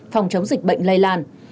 phòng chống dịch bệnh lây lan